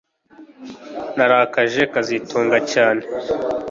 Narakaje kazitunga cyane